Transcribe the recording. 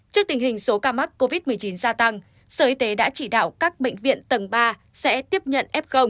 trước tình hình số ca mắc covid một mươi chín gia tăng sở y tế đã chỉ đạo các bệnh viện tầng ba sẽ tiếp nhận f